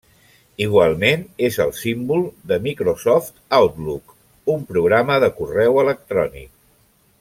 Igualment és el símbol de Microsoft Outlook, un programa de correu electrònic.